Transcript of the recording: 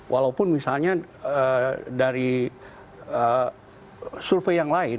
walaupun misalnya dari survei yang lain